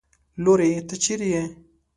لورې! ته چېرې يې؟